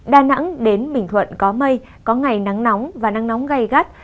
đà nẵng đến bình thuận có mây có ngày nắng nóng và nắng nóng gai gắt